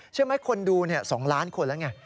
เชื่อไหมคนดู๒ล้านคนแล้วไง